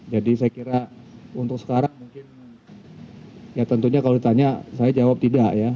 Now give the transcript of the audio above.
jadi saya kira untuk sekarang mungkin ya tentunya kalau ditanya saya jawab tidak ya